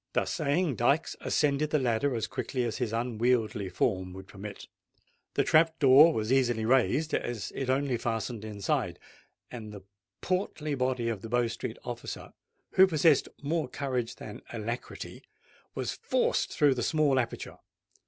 Thus saying, Dykes ascended the ladder as quickly as his unwieldly form would permit. The trap door was easily raised, as it only fastened inside; and the portly body of the Bow Street officer, who possessed more courage than alacrity, was forced through the small aperture.